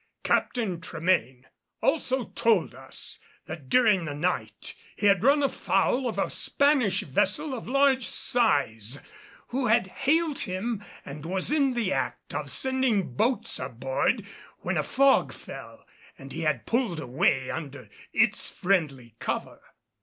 Captain Tremayne also told us that during the night he had run afoul of a Spanish vessel of large size, who had hailed him and was in the act of sending boats aboard when a fog fell and he had pulled away under its friendly cover.